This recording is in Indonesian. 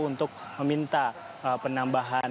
untuk meminta penambahan